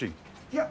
いや。